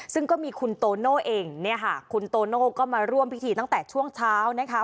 ซึ่งก็มีคุณโตโน่เองเนี่ยค่ะคุณโตโน่ก็มาร่วมพิธีตั้งแต่ช่วงเช้านะคะ